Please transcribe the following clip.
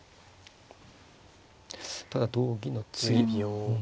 ただ同銀の次うん。